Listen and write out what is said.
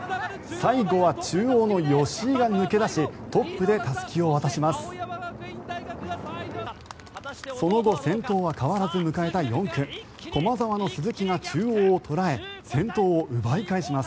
最後は中央の吉居が抜け出しトップでたすきを渡します。